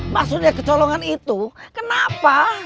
maksudnya kecolongan itu kenapa